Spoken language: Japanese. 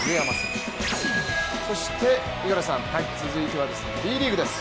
そして、続いてはＢリーグです。